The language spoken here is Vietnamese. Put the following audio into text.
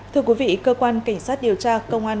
thưa quý vị cơ quan cảnh sát điều tra công an